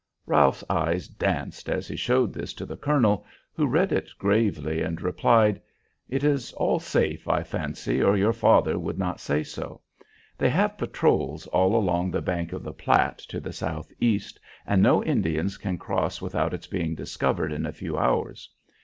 Ralph's eyes danced as he showed this to the colonel who read it gravely and replied, "It is all safe, I fancy, or your father would not say so. They have patrols all along the bank of the Platte to the southeast, and no Indians can cross without its being discovered in a few hours.